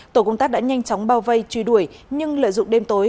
tổ công tác đã nhanh chóng bao vây truy đuổi nhưng lợi dụng đêm tối